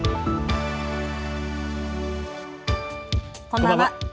こんばんは。